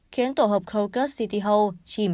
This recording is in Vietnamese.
khiến tổ hợp crocus city hall chìm